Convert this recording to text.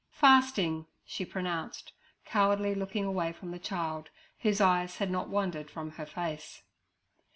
'Fasting' she pronounced, cowardly looking away from the child, whose eyes had not wandered from her face.